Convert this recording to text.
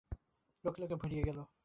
লোকে লোকে ভরে গেল।